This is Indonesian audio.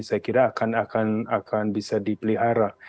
saya kira akan bisa dipelihara